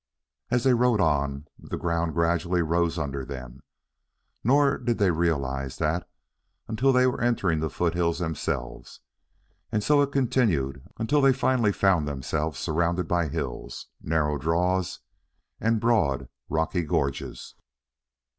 As they rode on, the ground gradually rose under them, nor did they realize that they were entering the foothills themselves; and so it continued until they finally found themselves surrounded by hills, narrow draws and broad, rocky gorges.